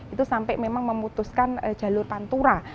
itu sampai memang memutuskan jalur pantura